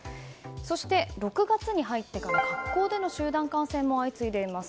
そして、６月に入ってから学校での集団感染も相次いでいます。